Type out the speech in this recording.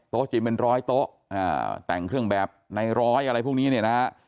จริงเป็นร้อยโต๊ะแต่งเครื่องแบบในร้อยอะไรพวกนี้เนี่ยนะฮะ